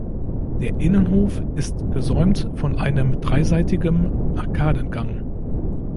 Der Innenhof ist gesäumt von einem dreiseitigem Arkadengang.